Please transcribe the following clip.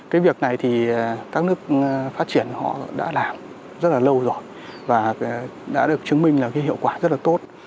cái việc này thì các nước phát triển họ đã làm rất là lâu rồi và đã được chứng minh là cái hiệu quả rất là tốt